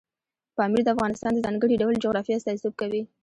پامیر د افغانستان د ځانګړي ډول جغرافیه استازیتوب کوي.